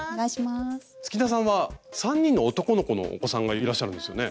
月田さんは３人の男の子のお子さんがいらっしゃるんですよね？